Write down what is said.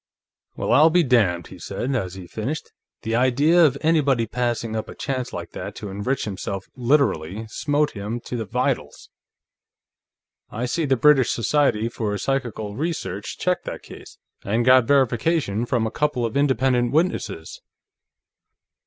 "Well, I'll be damned!" he said, as he finished. The idea of anybody passing up a chance like that to enrich himself literally smote him to the vitals. "I see the British Society for Psychical Research checked that case, and got verification from a couple of independent witnesses.